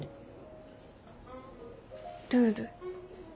ルール？